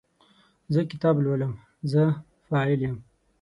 زه کتاب لولم – "زه" فاعل دی.